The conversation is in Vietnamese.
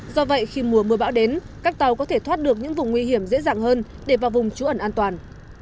do vậy khi mùa mưa bão đến các tàu có thể thoát được những vùng nguy hiểm dễ dàng hơn để vào vùng trú ẩn an toàn